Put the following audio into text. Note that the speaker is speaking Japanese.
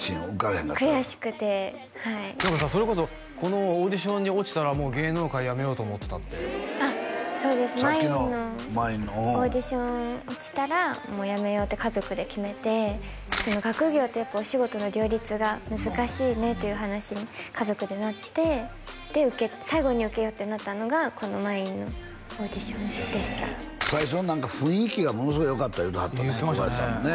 へんかったら悔しくてはいそれこそこのオーディションに落ちたら芸能界やめようと思ってたってあっそうです「まいん」のオーディション落ちたらもうやめようって家族で決めて学業とお仕事の両立が難しいねという話に家族でなってで最後に受けようってなったのがこの「まいん」のオーディションでした最初の雰囲気がものすごいよかった言うてはったね小林さんもね